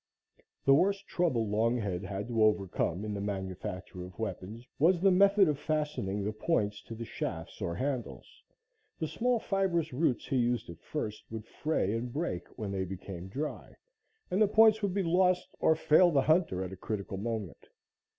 The worst trouble Longhead had to overcome in the manufacture of weapons was the method of fastening the points to the shafts or handles. The small fibrous roots he used at first would fray and break when they became dry, and the points would be lost or fail the hunter at a critical moment.